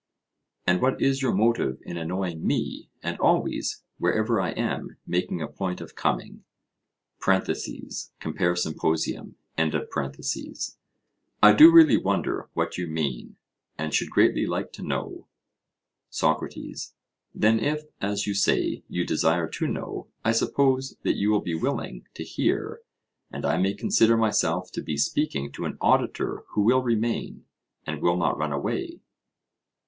And what is your motive in annoying me, and always, wherever I am, making a point of coming? (Compare Symp.) I do really wonder what you mean, and should greatly like to know. SOCRATES: Then if, as you say, you desire to know, I suppose that you will be willing to hear, and I may consider myself to be speaking to an auditor who will remain, and will not run away?